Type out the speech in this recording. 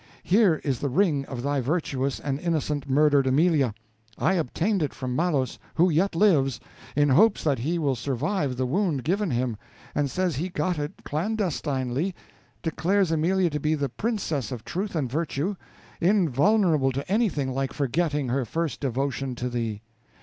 Here is the ring of the virtuous and innocent murdered Amelia; I obtained it from Malos, who yet lives, in hopes that he will survive the wound given him, and says he got it clandestinely declares Amelia to be the princess of truth and virtue, invulnerable to anything like forgetting her first devotion to thee.